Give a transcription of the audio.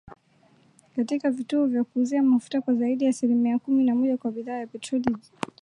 katika vituo vya kuuzia mafuta kwa zaidi ya asilimia kumi na moja kwa bidhaa ya petroli na dizeli